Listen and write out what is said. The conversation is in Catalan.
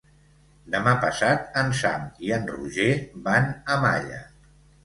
Demà passat en Sam i en Roger van a Malla.